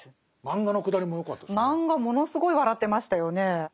漫画ものすごい笑ってましたよね。